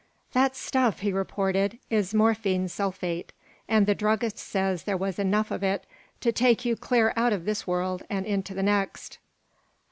"That stuff," he reported, "is morphine sulphate, and the druggist says there was enough of it to take you clear out of this world and into the next."